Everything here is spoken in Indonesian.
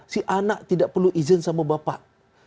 si anak tidak perlu izin sama bapak